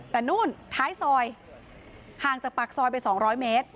แต่นู่นท้ายซอยห่างจากปากซอยไป๒๐๐เมตร